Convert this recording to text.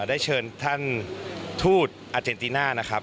ได้เชิญท่านทูตอาเจนติน่านะครับ